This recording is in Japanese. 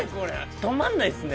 止まんないっすね。